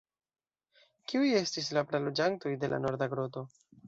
Kiuj estis la praloĝantoj de la norda groto?